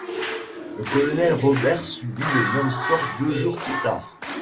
Le colonel Robert subit le même sort deux jours plus tard.